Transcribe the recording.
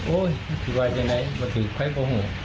โอ้ยที่ไว้ใจไหนมันถือไพ่โบหู